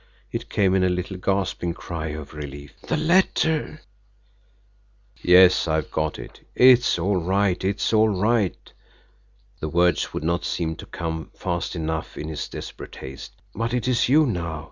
it came in a little gasping cry of relief. "The letter " "Yes, I've got it it's all right it's all right" the words would not seem to come fast enough in his desperate haste. "But it's you now.